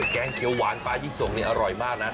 แกงเขียวหวานปลายิ่งส่งนี่อร่อยมากนะ